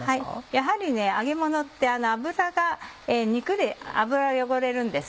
やはり揚げものって肉で油が汚れるんです。